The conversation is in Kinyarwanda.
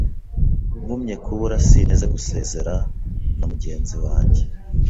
ngumye kubura Sinteze gusezera na mugenzi wange